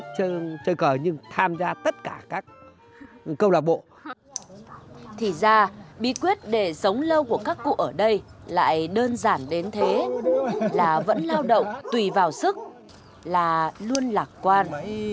thì ra bí quyết để sống lâu của các cụ ở đây lại đơn giản đến thế là vẫn lao động tùy vào sức là luôn lạc quan